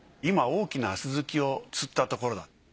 今大きなスズキを釣ったところだ。